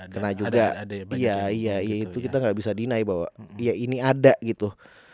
kena juga ya itu kita gak bisa deny bahwa ya ini ada gitu